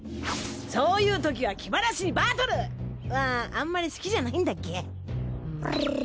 そういう時は気晴らしにバトル！はあんまり好きじゃないんだっけ？